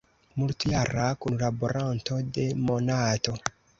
Multjara kunlaboranto de "Monato".